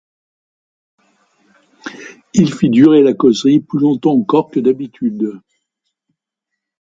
Il fit durer la causerie plus longtemps encore que d'habitude.